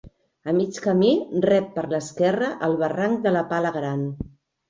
A mig camí rep per l'esquerra el barranc de la Pala Gran.